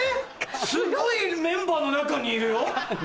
すっごいメンバーの中にいるよ。